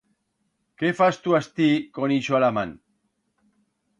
Qué fas tú astí con ixo a la man?